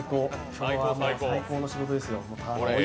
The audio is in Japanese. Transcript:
今日は最高の仕事ですよ。